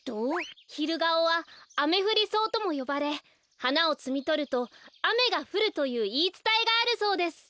ヒルガオはアメフリソウともよばれはなをつみとるとあめがふるといういいつたえがあるそうです。